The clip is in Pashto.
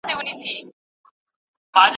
بیهوشه کوونکي توکي خطرناک دي.